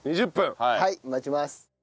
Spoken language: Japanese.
はい待ちます。